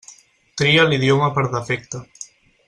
Tria l'idioma per defecte.